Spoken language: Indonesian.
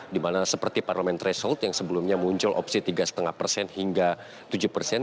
dimana seperti parliamentary sold yang sebelumnya muncul opsi tiga lima persen hingga tujuh persen